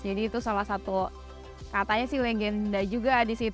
jadi itu salah satu katanya sih legenda juga